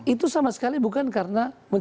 itu sama sekali bukan karena menjaga persatuan